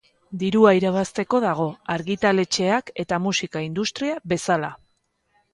Dirua irabazteko dago, argitaletxeak eta musika industria bezala.